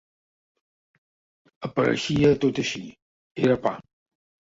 «Apareixia tot així: era pa».